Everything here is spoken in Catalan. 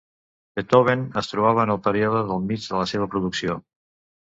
Beethoven es trobava en el període del mig de la seva producció.